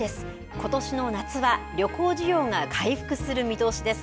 ことしの夏は旅行需要が回復する見通しです。